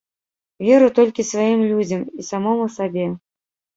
Веру толькі сваім людзям і самому сабе.